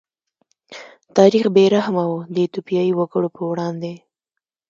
تاریخ بې رحمه و د ایتوپیايي وګړو په وړاندې.